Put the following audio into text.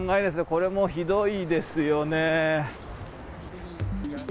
これもひどいですよね。